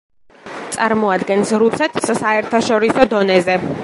წარმოადგენს რუსეთს საერთაშორისო დონეზე.